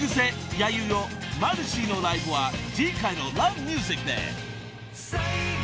ヤユヨマルシィのライブは次回の『Ｌｏｖｅｍｕｓｉｃ』で］